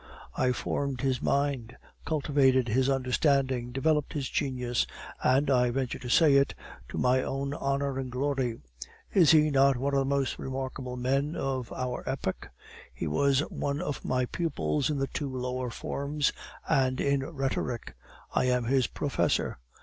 I formed his mind, cultivated his understanding, developed his genius, and, I venture to say it, to my own honor and glory. Is he not one of the most remarkable men of our epoch? He was one of my pupils in two lower forms, and in rhetoric. I am his professor."